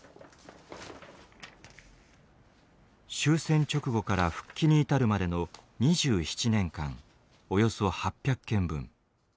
終戦直後から復帰に至るまでの２７年間およそ８００件分。